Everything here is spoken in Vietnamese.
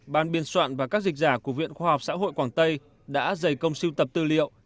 ban biên soạn và các dịch giả của viện khoa học xã hội quảng tây đã dày công siêu tập tư liệu